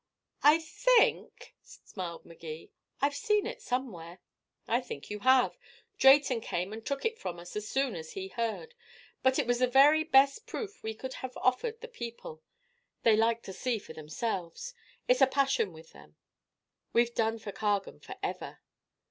"I think," smiled Magee, "I've seen it somewhere." "I think you have. Drayton came and took it from us as soon as he heard. But it was the very best proof we could have offered the people. They like to see for themselves. It's a passion with them. We've done for Cargan forever."